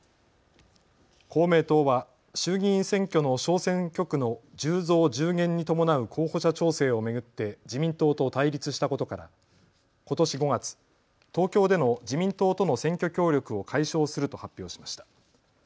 公明党は衆議院選挙の小選挙区の１０増１０減に伴う候補者調整を巡って自民党と対立したことから、ことし５月、東京での自民党との選挙協力を解消すると発表しました。